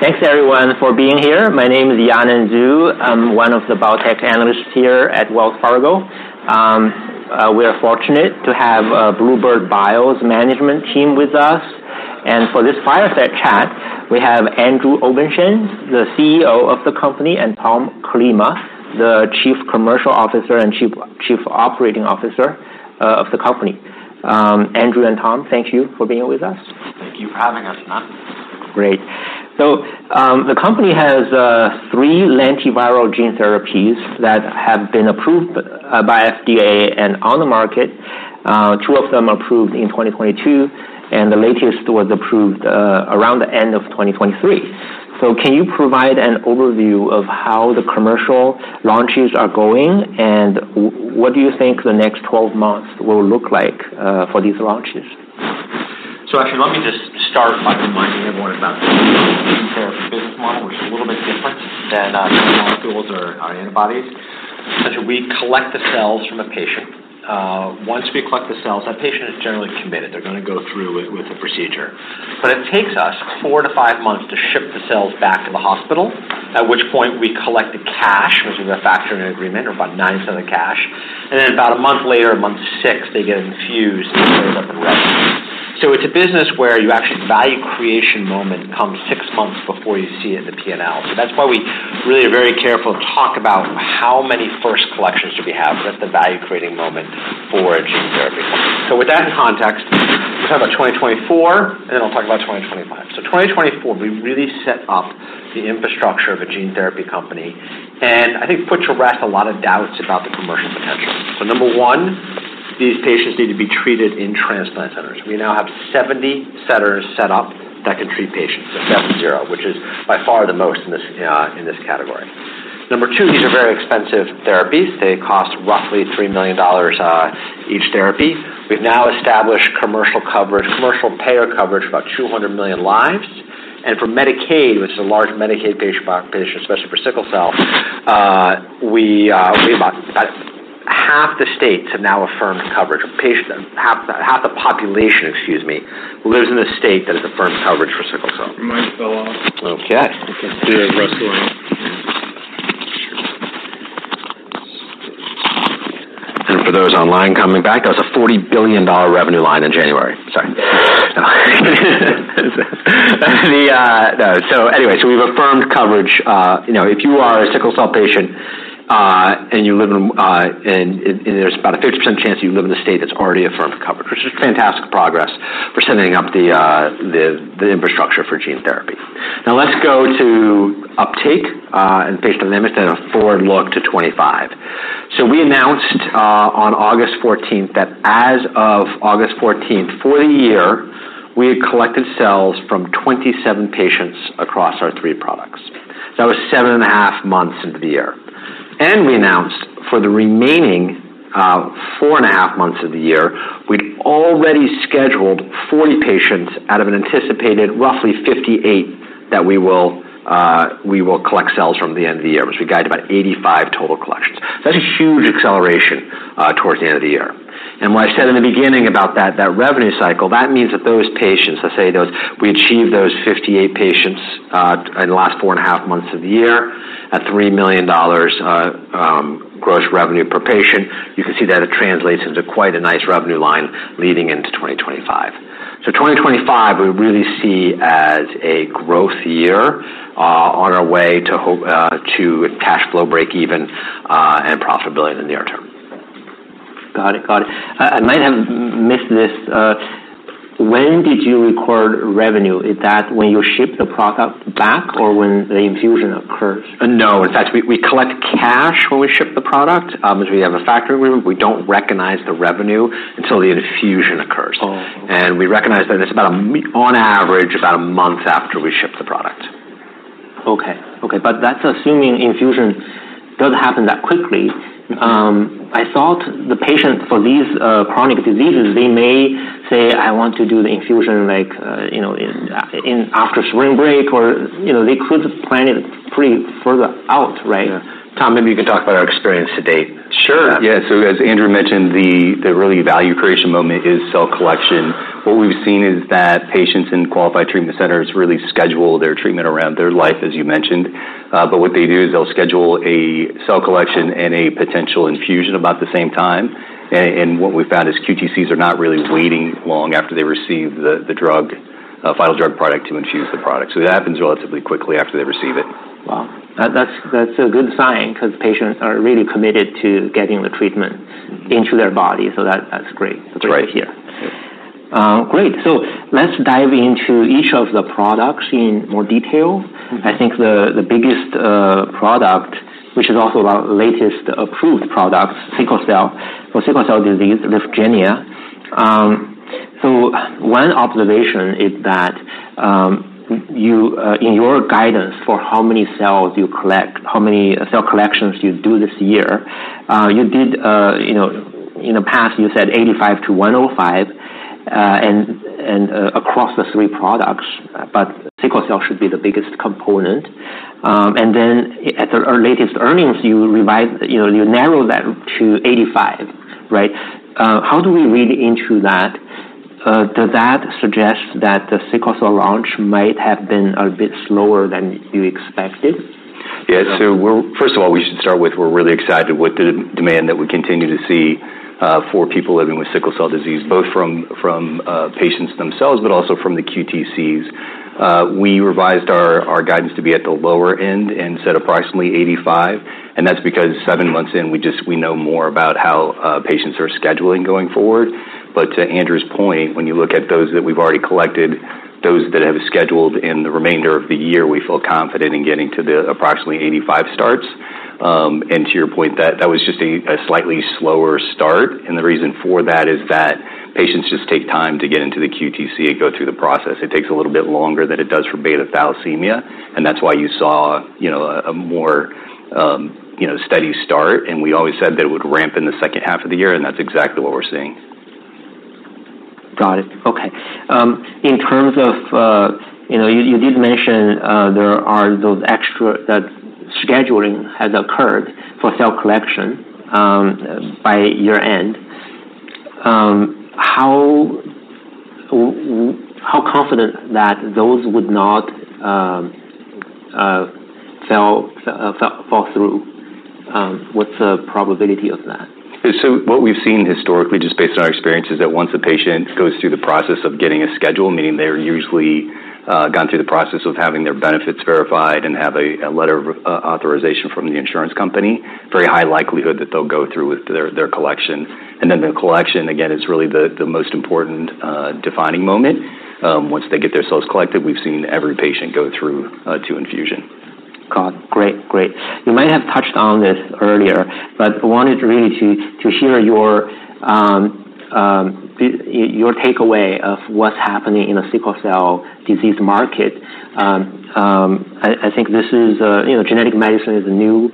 Thanks everyone for being here. My name is Yanan Zhu. I'm one of the biotech analysts here at Wells Fargo. We are fortunate to have bluebird bio's management team with us. And for this fireside chat, we have Andrew Obenshain, the CEO of the company, and Tom Klima, the Chief Commercial Officer and Chief Operating Officer of the company. Andrew and Tom, thank you for being with us. Thank you for having us, Yanan. Great. So, the company has three lentiviral gene therapies that have been approved by FDA and on the market. Two of them approved in 2022, and the latest was approved around the end of 2023. So can you provide an overview of how the commercial launches are going, and what do you think the next 12 months will look like for these launches? Actually, let me just start by reminding everyone about the gene therapy business model, which is a little bit different than small molecules or antibodies. We collect the cells from a patient. Once we collect the cells, that patient is generally committed. They're gonna go through with the procedure. But it takes us 4-5 months to ship the cells back to the hospital, at which point we collect the cash, which is a fee for agreement, or about 97% cash. And then about a month later, month 6, they get infused, and then the rest. It's a business where your actual value creation moment comes 6 months before you see it in the P&L. That's why we really are very careful to talk about how many first collections do we have. That's the value-creating moment for a gene therapy company, so with that in context, talk about 2024, and then I'll talk about 2025. So 2024, we really set up the infrastructure of a gene therapy company, and I think put to rest a lot of doubts about the commercial potential, so number one, these patients need to be treated in transplant centers. We now have 70 centers set up that can treat patients, so 70, which is by far the most in this category. Number two, these are very expensive therapies. They cost roughly $3 million each therapy. We've now established commercial coverage - commercial payer coverage, about 200 million lives. And for Medicaid, which is a large Medicaid patient population, especially for sickle cell, we about half the states have now affirmed coverage of patients. Half the population, excuse me, lives in a state that has affirmed coverage for sickle cell. Your mic fell off. Okay. Hear it wrestling. And for those online coming back, that was a $40 billion revenue line in January. Sorry. So anyway, so we've affirmed coverage. You know, if you are a sickle cell patient, and you live in, and there's about a 50% chance you live in a state that's already affirmed for coverage, which is fantastic progress for setting up the infrastructure for gene therapy. Now, let's go to uptake, and based on limited and a forward look to 2025. So we announced on August fourteenth, that as of August fourteenth, for the year, we had collected cells from 27 patients across our three products. So that was seven and a half months into the year. And we announced for the remaining four and a half months of the year, we'd already scheduled 40 patients out of an anticipated roughly 58 that we will collect cells from the end of the year, which we guide about 85 total collections. That's a huge acceleration towards the end of the year. And what I said in the beginning about that revenue cycle, that means that those patients, let's say those, we achieve those 58 patients in the last four and a half months of the year, at $3 million gross revenue per patient. You can see that it translates into quite a nice revenue line leading into 2025. So 2025, we really see as a growth year on our way to cash flow break even and profitability in the near term. Got it. Got it. I might have missed this. When did you record revenue? Is that when you ship the product back or when the infusion occurs? No. In fact, we collect cash when we ship the product. As we have a factory, we don't recognize the revenue until the infusion occurs. Oh, okay. And we recognize that it's about a month on average after we ship the product. Okay. Okay, but that's assuming infusion doesn't happen that quickly. I thought the patient for these, uh, chronic diseases, they may say, "I want to do the infusion, like, you know, in after spring break," or, you know, they could plan it pretty further out, right? Yeah. Tom, maybe you can talk about our experience to date. Sure, yeah. So as Andrew mentioned, the real value creation moment is cell collection. What we've seen is that patients in Qualified Treatment Centers really schedule their treatment around their life, as you mentioned. But what they do is they'll schedule a cell collection and a potential infusion about the same time. And what we found is QTCs are not really waiting long after they receive the final drug product to infuse the product. So it happens relatively quickly after they receive it. Wow! That's, that's a good sign because patients are really committed to getting the treatment- Mm-hmm. into their body, so that, that's great. That's right. -to hear. Great, so let's dive into each of the products in more detail. Mm-hmm. I think the biggest product, which is also our latest approved product, sickle cell, for sickle cell disease, Lyfgenia. So one observation is that, you in your guidance for how many cells you collect, how many cell collections you do this year, you did, you know, in the past, you said 85-105, and across the three products, but sickle cell should be the biggest component. And then at the latest earnings, you revised, you know, you narrowed that to 85. Right. How do we read into that? Does that suggest that the sickle cell launch might have been a bit slower than you expected? Yeah, so we're first of all, we should start with, we're really excited with the demand that we continue to see for people living with sickle cell disease, both from patients themselves, but also from the QTCs. We revised our guidance to be at the lower end instead approximately 85, and that's because seven months in, we know more about how patients are scheduling going forward. But to Andrew's point, when you look at those that we've already collected, those that have scheduled in the remainder of the year, we feel confident in getting to the approximately 85 starts. And to your point, that was just a slightly slower start, and the reason for that is that patients just take time to get into the QTC and go through the process. It takes a little bit longer than it does for beta thalassemia, and that's why you saw, you know, a more, you know, steady start, and we always said that it would ramp in the second half of the year, and that's exactly what we're seeing. Got it. Okay. In terms of, you know, you did mention there are those that scheduling has occurred for cell collection by year-end. How confident that those would not fall through? What's the probability of that? So what we've seen historically, just based on our experience, is that once a patient goes through the process of getting a schedule, meaning they're usually gone through the process of having their benefits verified and have a letter of authorization from the insurance company, very high likelihood that they'll go through with their collection. And then the collection, again, is really the most important defining moment. Once they get their cells collected, we've seen every patient go through to infusion. Got it. Great, great. You might have touched on this earlier, but I wanted really to hear your takeaway of what's happening in the sickle cell disease market. I think this is, you know, genetic medicine is a new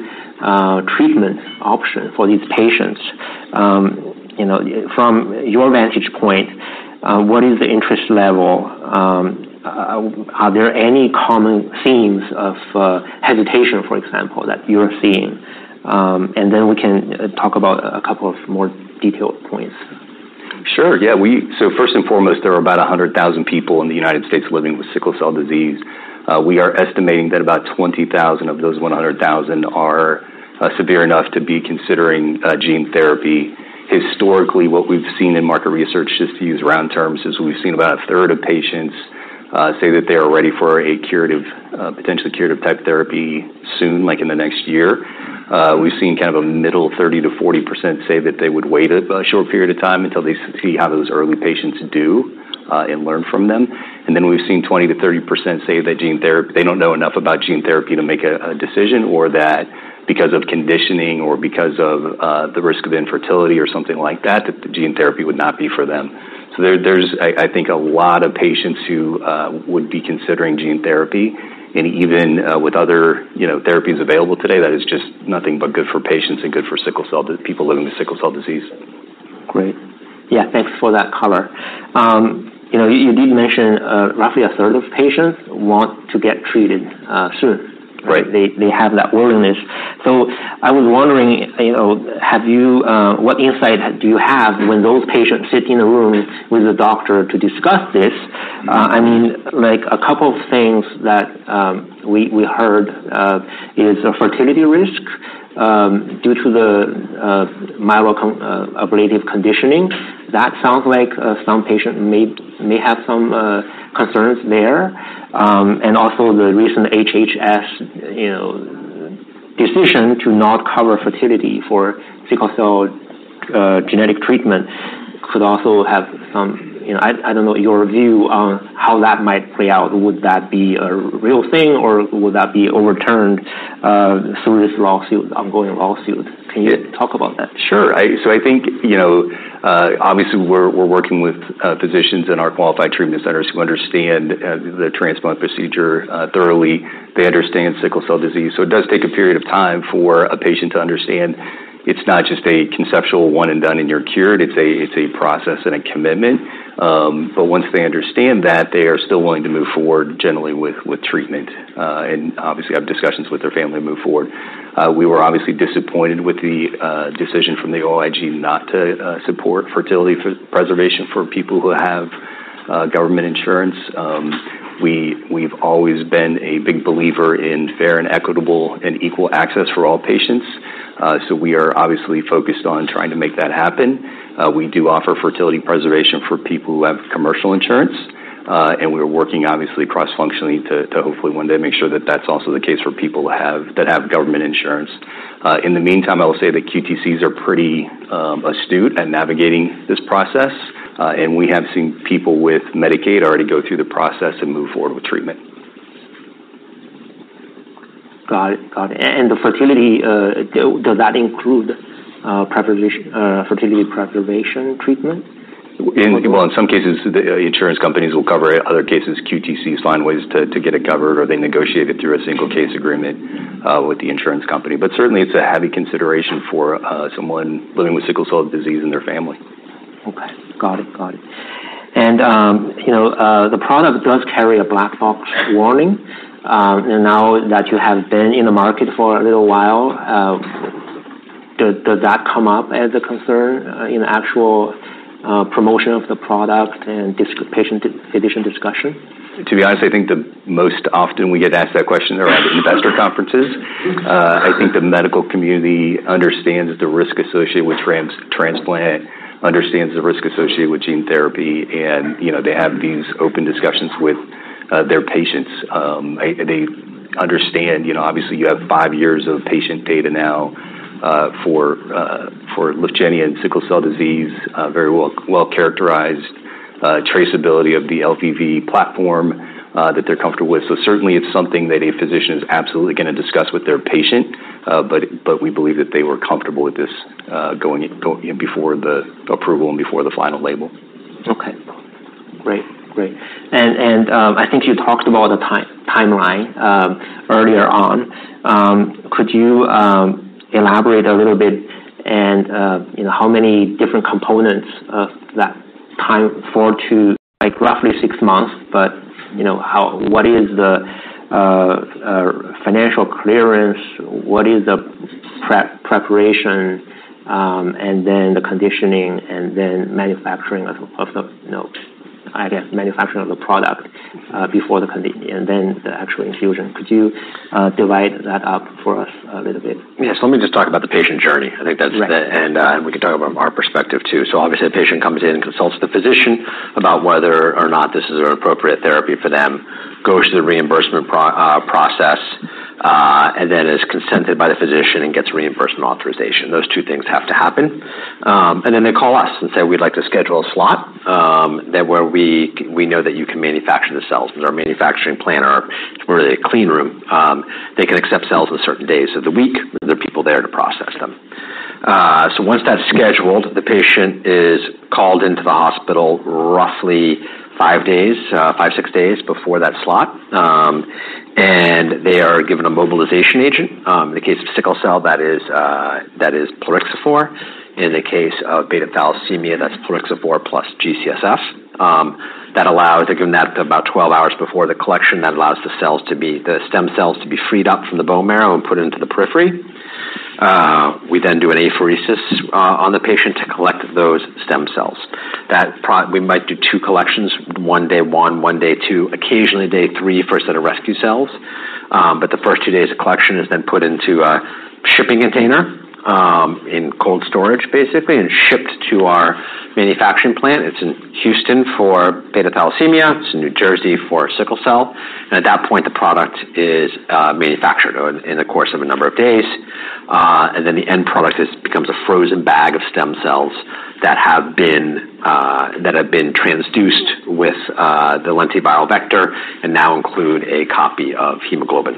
treatment option for these patients. You know, from your vantage point, what is the interest level? Are there any common themes of hesitation, for example, that you're seeing? And then we can talk about a couple of more detailed points. Sure. Yeah, we so first and foremost, there are about 100,000 people in the United States living with sickle cell disease. We are estimating that about 20,000 of those 100,000 are severe enough to be considering gene therapy. Historically, what we've seen in market research, just to use round terms, is we've seen about a third of patients say that they are ready for a curative, potentially curative type therapy soon, like in the next year. We've seen kind of a middle 30-40% say that they would wait a short period of time until they see how those early patients do and learn from them. Then we've seen 20%-30% say that they don't know enough about gene therapy to make a decision, or that because of conditioning or because of the risk of infertility or something like that, that the gene therapy would not be for them. So there's, I think, a lot of patients who would be considering gene therapy, and even with other, you know, therapies available today, that is just nothing but good for patients and good for sickle cell disease people living with sickle cell disease. Great. Yeah, thanks for that color. You know, you did mention roughly a third of patients want to get treated soon. Right. They have that willingness. So I was wondering, you know, what insight do you have when those patients sit in a room with a doctor to discuss this? Mm-hmm. I mean, like a couple of things that we heard is a fertility risk due to the myeloablative conditioning. That sounds like some patient may have some concerns there. And also the recent HHS, you know, decision to not cover fertility for sickle cell genetic treatment could also have some... You know, I don't know your view on how that might play out. Would that be a real thing, or would that be overturned through this ongoing lawsuit? Can you talk about that? Sure. So I think, you know, obviously we're working with physicians in our qualified treatment centers who understand the transplant procedure thoroughly. They understand sickle cell disease, so it does take a period of time for a patient to understand it's not just a conceptual one-and-done, and you're cured. It's a process and a commitment. But once they understand that, they are still willing to move forward, generally with treatment, and obviously have discussions with their family to move forward. We were obviously disappointed with the decision from the OIG not to support fertility preservation for people who have government insurance. We, we've always been a big believer in fair and equitable and equal access for all patients. So we are obviously focused on trying to make that happen. We do offer fertility preservation for people who have commercial insurance, and we're working, obviously, cross-functionally to hopefully one day make sure that that's also the case for people who have government insurance. In the meantime, I will say the QTCs are pretty astute at navigating this process, and we have seen people with Medicaid already go through the process and move forward with treatment. Got it. Got it. And the fertility, does that include fertility preservation treatment? In some cases, the insurance companies will cover it. Other cases, QTCs find ways to get it covered, or they negotiate it through a single case agreement with the insurance company. But certainly, it's a heavy consideration for someone living with sickle cell disease in their family. Okay. Got it, and you know, the product does carry a black box warning, and now that you have been in the market for a little while, does that come up as a concern in actual promotion of the product and patient addition discussion? To be honest, I think the most often we get asked that question are at investor conferences. I think the medical community understands the risk associated with transplant, understands the risk associated with gene therapy, and, you know, they have these open discussions with their patients. They understand, you know, obviously, you have five years of patient data now for Lyfgenia and sickle cell disease, very well-characterized traceability of the LVV platform that they're comfortable with. So certainly it's something that a physician is absolutely gonna discuss with their patient, but we believe that they were comfortable with this going before the approval and before the final label. Okay. Great. Great. And I think you talked about the timeline earlier on. Could you elaborate a little bit and you know how many different components of that time for to like roughly six months, but you know what is the financial clearance? What is the preparation and then the conditioning and then manufacturing of the you know I guess manufacturing of the product before the conditioning and then the actual infusion. Could you divide that up for us a little bit? Yes. Let me just talk about the patient journey. I think that's the- Right. - and, we can talk about our perspective, too. So obviously, the patient comes in and consults the physician about whether or not this is an appropriate therapy for them, goes to the reimbursement process, and then is consented by the physician and gets reimbursement authorization. Those two things have to happen. And then they call us and say, "We'd like to schedule a slot, that where we know that you can manufacture the cells." In our manufacturing plant or where the clean room, they can accept cells on certain days of the week, and there are people there to process them. So once that's scheduled, the patient is called into the hospital roughly five, six days before that slot, and they are given a mobilization agent. In the case of sickle cell, that is, that is Plerixafor. In the case of beta thalassemia, that's Plerixafor plus G-CSF. That allows. They're given that about twelve hours before the collection, that allows the stem cells to be freed up from the bone marrow and put into the periphery. We then do an apheresis on the patient to collect those stem cells. We might do two collections, one day one, one day two, occasionally day three for a set of rescue cells. But the first two days of collection is then put into a shipping container, in cold storage, basically, and shipped to our manufacturing plant. It's in Houston for beta thalassemia, it's in New Jersey for sickle cell, and at that point, the product is manufactured in the course of a number of days. And then the end product becomes a frozen bag of stem cells that have been transduced with the lentiviral vector, and now include a copy of hemoglobin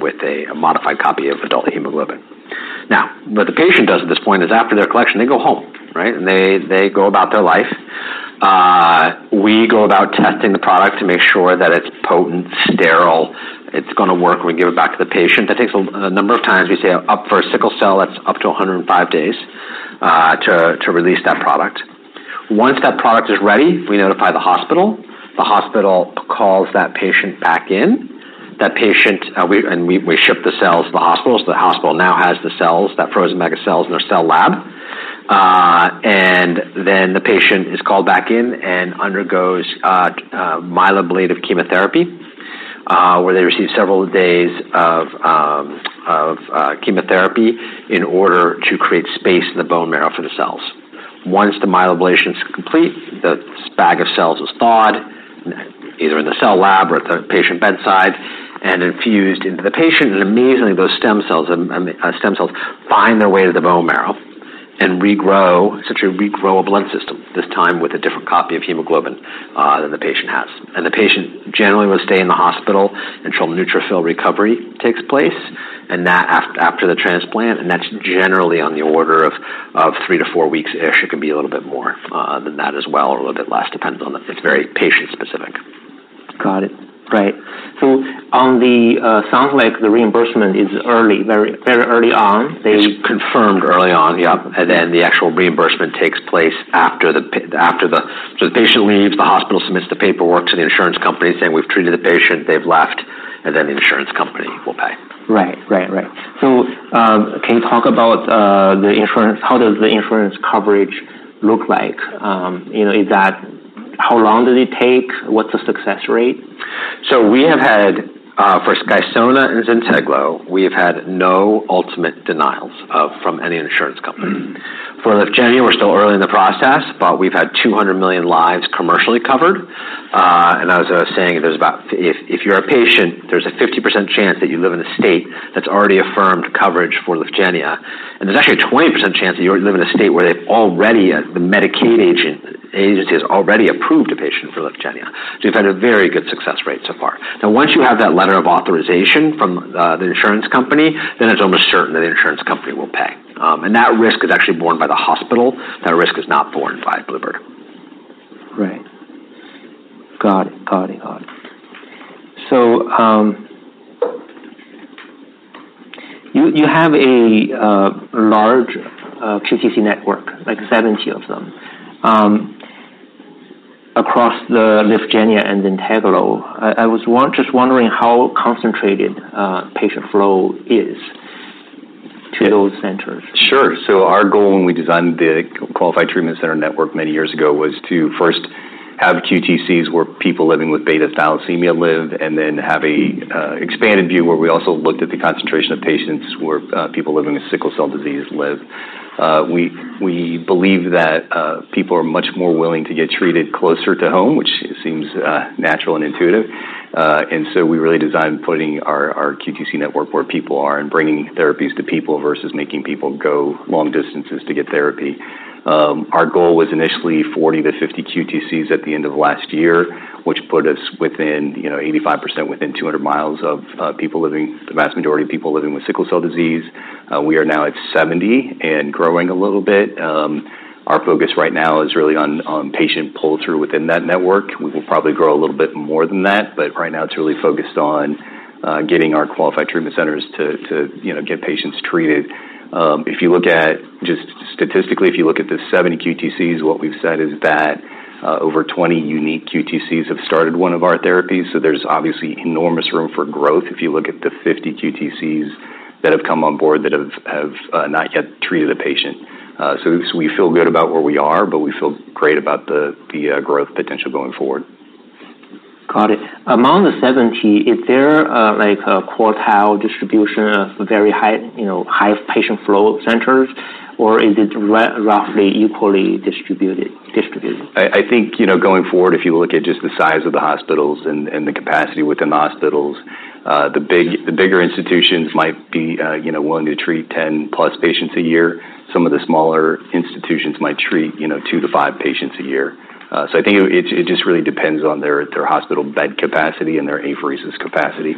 with a modified copy of adult hemoglobin. Now, what the patient does at this point is, after their collection, they go home, right? And they go about their life. We go about testing the product to make sure that it's potent, sterile, it's gonna work when we give it back to the patient. That takes a number of times. For sickle cell, that's up to 105 days to release that product. Once that product is ready, we notify the hospital. The hospital calls that patient back in. We ship the cells to the hospital. So the hospital now has the cells, that frozen bag of cells in their cell lab. And then the patient is called back in and undergoes myeloablative chemotherapy, where they receive several days of chemotherapy in order to create space in the bone marrow for the cells. Once the myeloablation is complete, the bag of cells is thawed, either in the cell lab or at the patient bedside, and infused into the patient. And amazingly, those stem cells find their way to the bone marrow and regrow, essentially regrow a blood system, this time with a different copy of hemoglobin than the patient has. The patient generally will stay in the hospital until neutrophil recovery takes place, and that after the transplant, and that's generally on the order of three to four weeks. It actually can be a little bit more than that as well, or a little bit less, depends on. It's very patient specific. Got it. Great. So on the, sounds like the reimbursement is early, very, very early on. They- It's confirmed early on, yeah, and then the actual reimbursement takes place after the patient leaves, the hospital submits the paperwork to the insurance company, saying: We've treated the patient, they've left, and then the insurance company will pay. Right. So, can you talk about the insurance? How does the insurance coverage look like? You know, how long does it take? What's the success rate? So we have had, for Skysona and Zynteglo, we have had no ultimate denials, from any insurance company. For Lyfgenia, we're still early in the process, but we've had 200 million lives commercially covered. And as I was saying, if you're a patient, there's a 50% chance that you live in a state that's already affirmed coverage for Lyfgenia, and there's actually a 20% chance that you live in a state where they've already, the Medicaid agency has already approved a patient for Lyfgenia. So we've had a very good success rate so far. Now, once you have that letter of authorization from, the insurance company, then it's almost certain that the insurance company will pay. And that risk is actually borne by the hospital. That risk is not borne by Bluebird. Right. Got it. Got it, got it. So, you have a large QTC network, like seventy of them, across the Lyfgenia and Zynteglo. I was just wondering how concentrated patient flow is to those centers? Sure. So our goal when we designed the Qualified Treatment Center network many years ago was to first have QTCs where people living with beta thalassemia live, and then have an expanded view where we also looked at the concentration of patients where people living with sickle cell disease live. We believe that people are much more willing to get treated closer to home, which seems natural and intuitive. And so we really designed putting our QTC network where people are and bringing therapies to people versus making people go long distances to get therapy. Our goal was initially 40-50 QTCs at the end of last year, which put us within, you know, 85%, within 200 miles of the vast majority of people living with sickle cell disease. We are now at 70 and growing a little bit. Our focus right now is really on patient pull-through within that network. We will probably grow a little bit more than that, but right now, it's really focused on getting our qualified treatment centers to, you know, get patients treated. Just statistically, if you look at the 70 QTCs, what we've said is that over 20 unique QTCs have started one of our therapies, so there's obviously enormous room for growth if you look at the 50 QTCs that have come on board that have not yet treated a patient, so we feel good about where we are, but we feel great about the growth potential going forward. Got it. Among the 70, is there, like a quartile distribution of very high, you know, high patient flow centers, or is it roughly equally distributed? I think, you know, going forward, if you look at just the size of the hospitals and the capacity within the hospitals, the bigger institutions might be, you know, willing to treat ten plus patients a year. Some of the smaller institutions might treat, you know, two to five patients a year. So I think it just really depends on their hospital bed capacity and their apheresis capacity,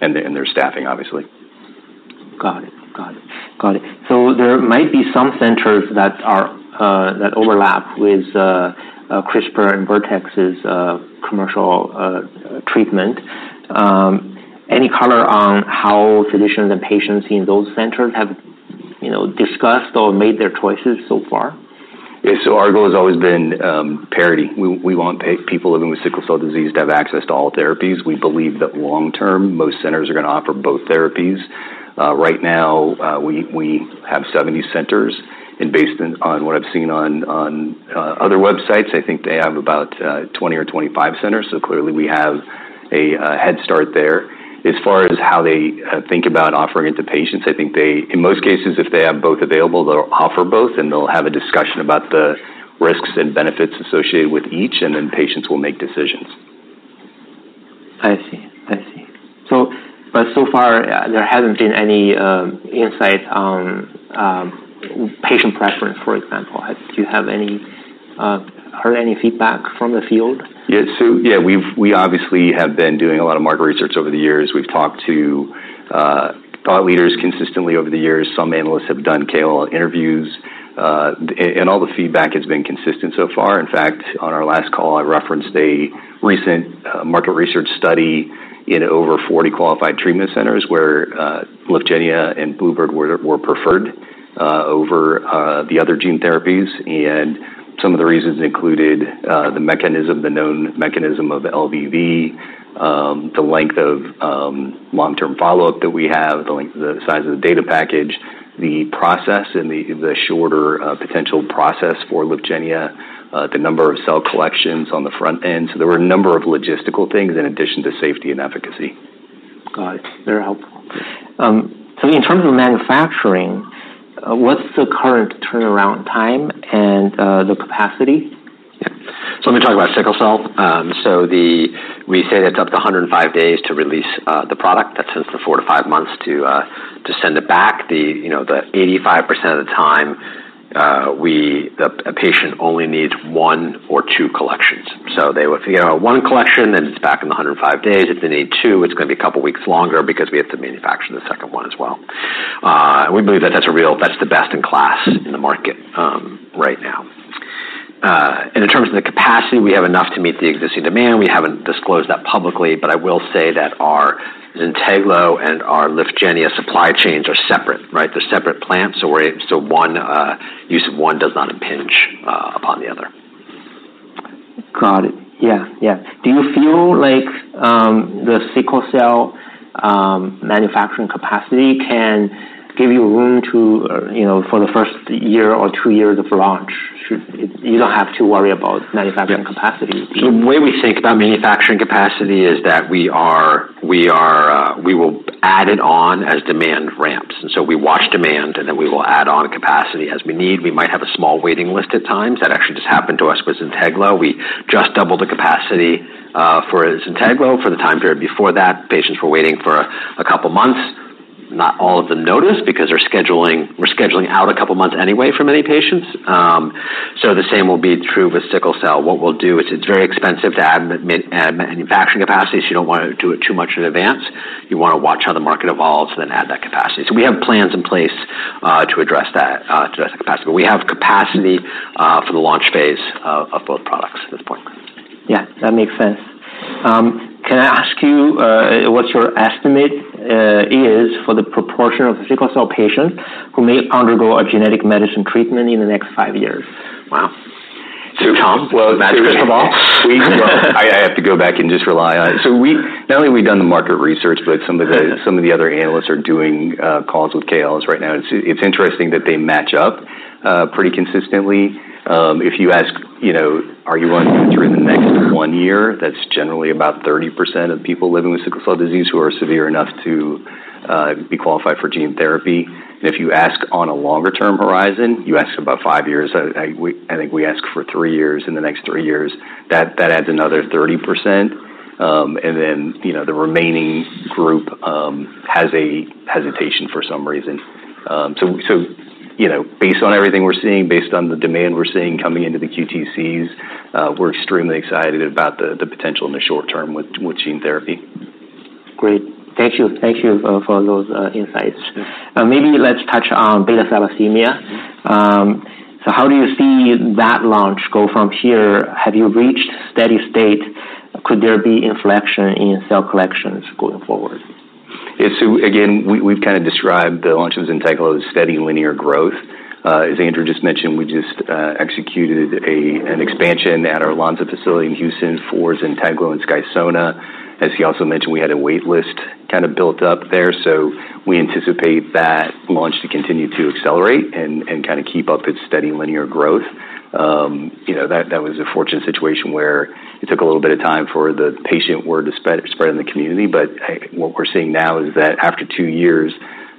and their staffing, obviously. Got it. So there might be some centers that overlap with CRISPR and Vertex's commercial treatment. Any color on how physicians and patients in those centers have, you know, discussed or made their choices so far? Yeah, so our goal has always been parity. We want people living with sickle cell disease to have access to all therapies. We believe that long term, most centers are gonna offer both therapies. Right now, we have 70 centers, and based on what I've seen on other websites, I think they have about 20 or 25 centers, so clearly we have a head start there. As far as how they think about offering it to patients, I think they, in most cases, if they have both available, they'll offer both, and they'll have a discussion about the risks and benefits associated with each, and then patients will make decisions. I see. But so far, there hasn't been any insight on patient preference, for example. Have you heard any feedback from the field? Yeah, so yeah, we've obviously been doing a lot of market research over the years. We've talked to thought leaders consistently over the years. Some analysts have done key interviews, and all the feedback has been consistent so far. In fact, on our last call, I referenced a recent market research study in over 40 qualified treatment centers, where Lyfgenia and Bluebird were preferred over the other gene therapies, and some of the reasons included the mechanism, the known mechanism of LVV, the length of long-term follow-up that we have, the size of the data package, the process and the shorter potential process for Lyfgenia, the number of cell collections on the front end, so there were a number of logistical things in addition to safety and efficacy. Got it. Very helpful. So in terms of manufacturing, what's the current turnaround time and the capacity? So let me talk about sickle cell. We say that's up to 105 days to release the product. That's since the four to five months to send it back. You know, the 85% of the time, a patient only needs one or two collections. So they would, you know, one collection, and it's back in 105 days. If they need two, it's gonna be a couple weeks longer because we have to manufacture the second one as well. We believe that that's the best in class in the market right now. And in terms of the capacity, we have enough to meet the existing demand. We haven't disclosed that publicly, but I will say that our Zynteglo and our Lyfgenia supply chains are separate, right? They're separate plants, so one use of one does not impinge upon the other. Got it. Yeah, yeah. Do you feel like the sickle cell manufacturing capacity can give you room to, you know, for the first year or two years of launch? You don't have to worry about manufacturing capacity? So the way we think about manufacturing capacity is that we will add it on as demand ramps, and so we watch demand, and then we will add on capacity as we need. We might have a small waiting list at times. That actually just happened to us with Zynteglo. We just doubled the capacity for Zynteglo for the time period. Before that, patients were waiting for a couple of months. Not all of them noticed, because they're scheduling, we're scheduling out a couple of months anyway for many patients. So the same will be true with sickle cell. What we'll do is, it's very expensive to add manufacturing capacity, so you don't want to do it too much in advance. You wanna watch how the market evolves, then add that capacity. So we have plans in place to address that to the capacity, but we have capacity for the launch phase of both products at this point.... Yeah, that makes sense. Can I ask you what your estimate is for the proportion of sickle cell patients who may undergo a genetic medicine treatment in the next five years? Wow! So, Tom, well, first of all, we not only have done the market research, but some of the other analysts are doing calls with KOLs right now. It's interesting that they match up pretty consistently. If you ask, you know, are you going to do it during the next one year, that's generally about 30% of people living with sickle cell disease who are severe enough to be qualified for gene therapy, and if you ask on a longer-term horizon, you ask about 5 years. I think we ask for 3 years. In the next 3 years, that adds another 30%, and then, you know, the remaining group has a hesitation for some reason. You know, based on everything we're seeing, based on the demand we're seeing coming into the QTCs, we're extremely excited about the potential in the short term with gene therapy. Great. Thank you for those insights. Sure. Maybe let's touch on Beta thalassemia. So how do you see that launch go from here? Have you reached steady state? Could there be inflection in cell collections going forward? Yeah. So again, we've kind of described the launch of Zynteglo's steady linear growth. As Andrew just mentioned, we just executed an expansion at our Lonza facility in Houston for Zynteglo and Skysona. As he also mentioned, we had a wait list kind of built up there, so we anticipate that launch to continue to accelerate and kind of keep up its steady linear growth. You know, that was a fortunate situation where it took a little bit of time for the patient word to spread in the community. But, what we're seeing now is that after two years,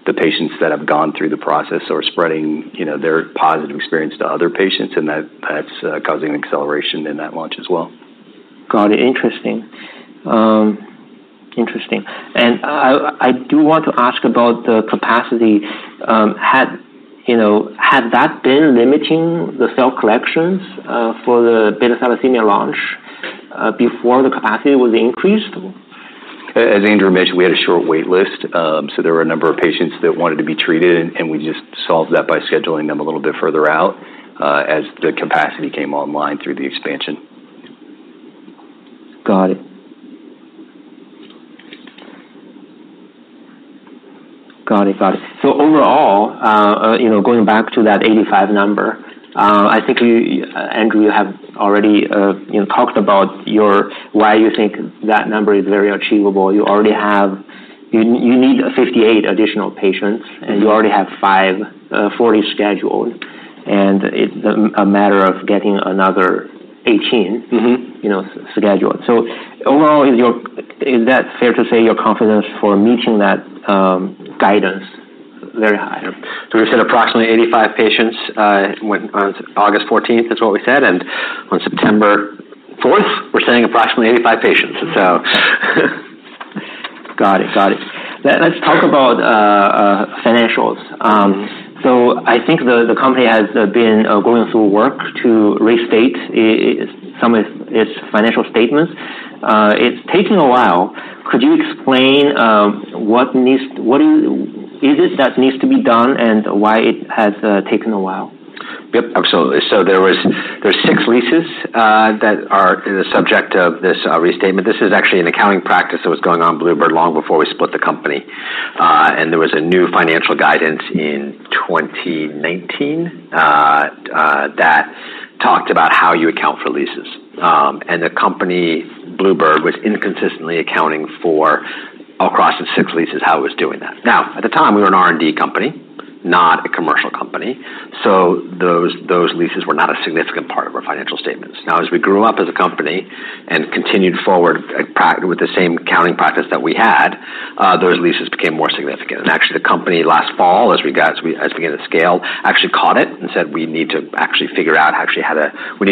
the patients that have gone through the process are spreading, you know, their positive experience to other patients, and that's causing acceleration in that launch as well. Got it. Interesting. Interesting, and I do want to ask about the capacity. You know, had that been limiting the cell collections for the beta thalassemia launch before the capacity was increased? As Andrew mentioned, we had a short wait list. So there were a number of patients that wanted to be treated, and we just solved that by scheduling them a little bit further out, as the capacity came online through the expansion. Got it. So overall, you know, going back to that eighty-five number, I think you, Andrew, you have already, you know, talked about why you think that number is very achievable. You already have... You need fifty-eight additional patients, and you already have fifty-four scheduled, and it's a matter of getting another eighteen- Mm-hmm You know, scheduled. So overall, is your- is that fair to say you're confident for meeting that guidance very high? We said approximately 85 patients when on August 14th. That's what we said, and on September 4th, we're saying approximately 85 patients, so. Got it. Got it. Let's talk about financials. So I think the company has been going through work to restate some of its financial statements. It's taking a while. Could you explain what is it that needs to be done, and why it has taken a while? Yep, absolutely. So there's six leases that are the subject of this restatement. This is actually an accounting practice that was going on Bluebird long before we split the company. And there was a new financial guidance in 2019 that talked about how you account for leases. And the company, Bluebird, was inconsistently accounting for across the six leases, how it was doing that. Now, at the time, we were an R&D company, not a commercial company, so those leases were not a significant part of our financial statements. Now, as we grew up as a company and continued forward with the same accounting practice that we had, those leases became more significant. Actually, the company last fall, as we began to scale, actually caught it and said, "We need to actually figure out actually how to-- We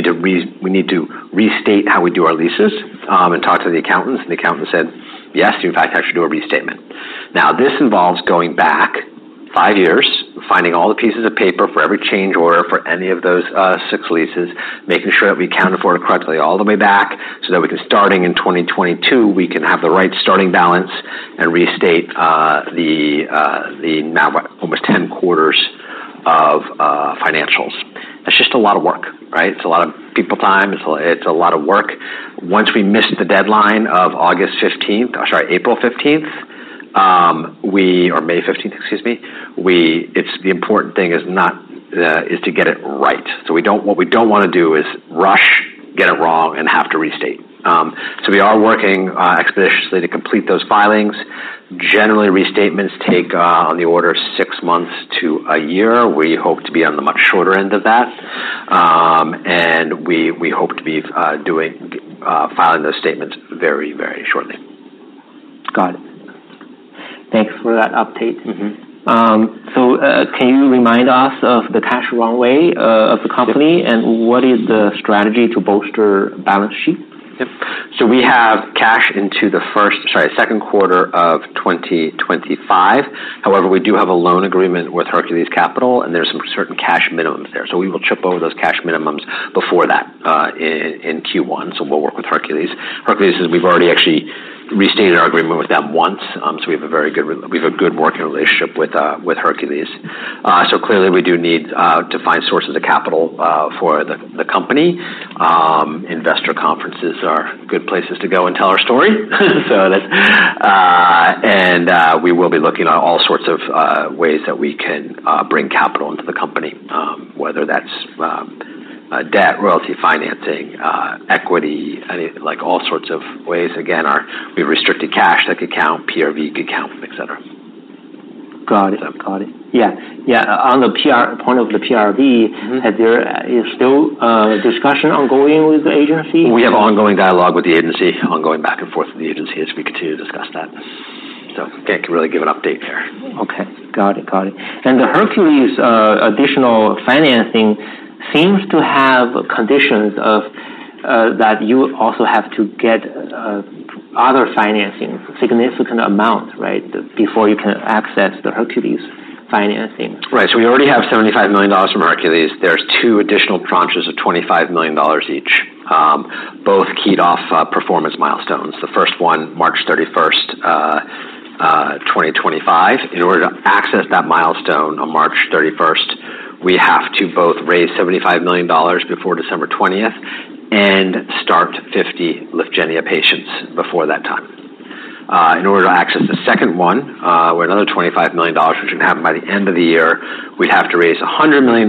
need to restate how we do our leases," and talked to the accountants, and the accountant said, "Yes, you in fact actually do a restatement." Now, this involves going back five years, finding all the pieces of paper for every change order for any of those six leases, making sure that we can audit it correctly all the way back, so that we can start in 2022, we can have the right starting balance and restate the now almost 10 quarters of financials. That's just a lot of work, right? It's a lot of people time. It's a lot of work. Once we missed the deadline of August 15th, sorry, April 15th, we... Or May 15th, excuse me. The important thing is not is to get it right. So what we don't wanna do is rush, get it wrong, and have to restate. So we are working expeditiously to complete those filings. Generally, restatements take on the order of six months to a year. We hope to be on the much shorter end of that. And we hope to be doing filing those statements very, very shortly. Got it. Thanks for that update. Mm-hmm. Can you remind us of the cash runway of the company, and what is the strategy to bolster balance sheet? Yep. We have cash into the first, sorry, Q2 of 2025. However, we do have a loan agreement with Hercules Capital, and there are certain cash minimums there. We will dip below those cash minimums before that in Q1, so we'll work with Hercules. Hercules, as we've already restated our agreement with them once. We have a very good working relationship with Hercules. Clearly, we do need to find sources of capital for the company. Investor conferences are good places to go and tell our story. That's. We will be looking at all sorts of ways that we can bring capital into the company, whether that's debt, royalty financing, equity, like, all sorts of ways. Again, we have restricted cash, like our account, PRV account, et cetera. Got it. Yeah, on the PRV point of the PRV. Mm-hmm. Is there still discussion ongoing with the agency? We have ongoing dialogue with the agency, ongoing back and forth with the agency as we continue to discuss that. So can't really give an update there. Okay. Got it. Got it. And the Hercules additional financing seems to have conditions of that you also have to get other financing, significant amount, right, before you can access the Hercules financing? Right. So we already have $75 million from Hercules. There's 2 additional tranches of $25 million each, both keyed off performance milestones. The first one, March 31st, 2025. In order to access that milestone on March 31st, we have to both raise $75 million before December 20th and start 50 Lyfgenia patients before that time. In order to access the second one, where another $25 million, which should happen by the end of the year, we'd have to raise $100 million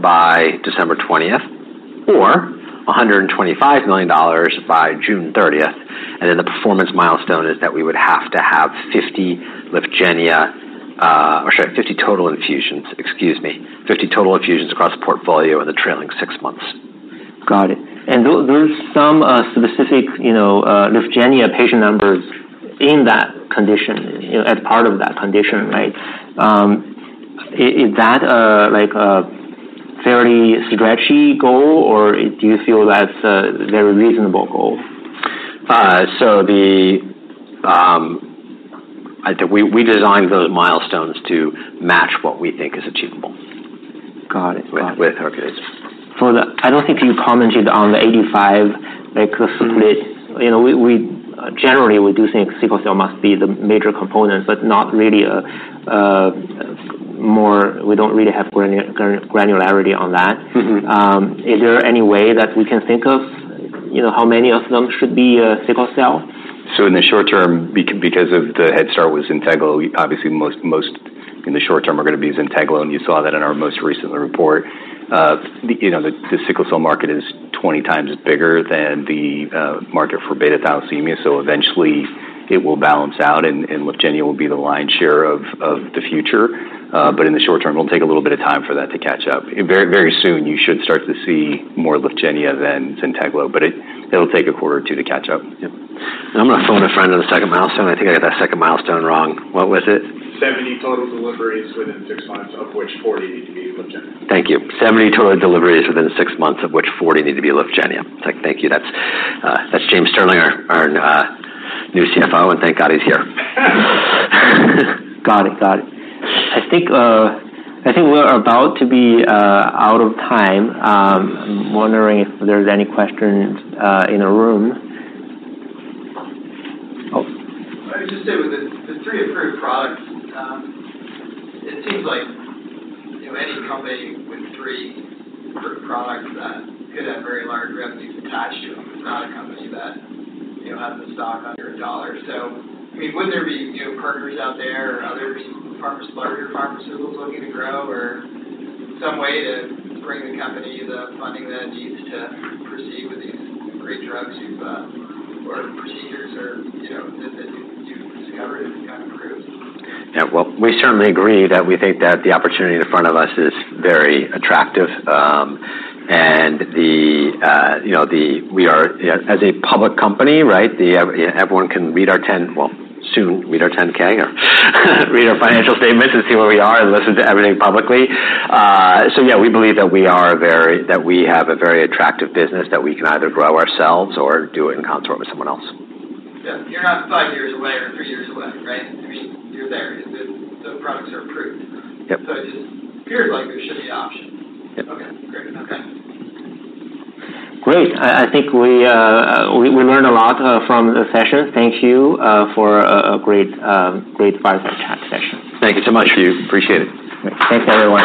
by December 20th, or $125 million by June 30th. And then the performance milestone is that we would have to have 50 Lyfgenia, or sorry, 50 total infusions, excuse me, 50 total infusions across the portfolio in the trailing six months. Got it. There, there's some specific, you know, Lyfgenia patient numbers in that condition, you know, as part of that condition, right? Is that like a fairly stretchy goal, or do you feel that's a very reasonable goal? So, I think we designed those milestones to match what we think is achievable- Got it. with Hercules. I don't think you commented on the 85, like, complete- Mm-hmm. You know, we generally do think sickle cell must be the major component, but not really. We don't really have granularity on that. Mm-hmm. Is there any way that we can think of, you know, how many of them should be sickle cell? So in the short term, because of the head start with Zynteglo, obviously, most in the short term are going to be Zynteglo, and you saw that in our most recent report. You know, the sickle cell market is 20 times bigger than the market for beta thalassemia, so eventually it will balance out, and Lygienia will be the lion's share of the future. But in the short term, it'll take a little bit of time for that to catch up. Very, very soon, you should start to see more Lyfgenia than Zynteglo, but it'll take a quarter or two to catch up. Yep. I'm gonna phone a friend on the second milestone. I think I got that second milestone wrong. What was it? 70 total deliveries within six months, of which 40 need to be Lyfgenia. Thank you. 70 total deliveries within six months, of which 40 need to be Lyfgenia. Thank you. That's James Sterling, our new CFO, and thank God he's here. Got it. I think we're about to be out of time. I'm wondering if there's any questions in the room. Oh. I'd just say with the three approved products, it seems like, you know, any company with three approved products that could have very large revenues attached to them is not a company that, you know, has the stock under a dollar. So, I mean, would there be new partners out there or other larger pharmaceuticals looking to grow or some way to bring the company the funding that it needs to proceed with these great drugs you've or procedures or, you know, that you've discovered and approved? Yeah, well, we certainly agree that we think that the opportunity in front of us is very attractive. And you know, we are, as a public company, right, everyone can read our 10-K. Well, soon read our 10-K, or read our financial statements and see where we are and listen to everything publicly. So yeah, we believe that we have a very attractive business, that we can either grow ourselves or do it in concert with someone else. Yeah. You're not five years away or three years away, right? I mean, you're there. The products are approved. Yep. So it just appears like there should be options. Yep. Okay, great. Okay. Great. I think we learned a lot from the session. Thank you for a great fireside chat session. Thank you so much, Hugh. Appreciate it. Thanks, everyone.